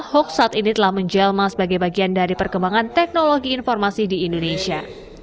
hoax saat ini telah menjelma sebagai bagian dari perkembangan teknologi informasi di indonesia